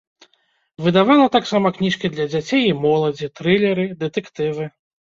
Выдавала таксама кніжкі для дзяцей і моладзі, трылеры, дэтэктывы.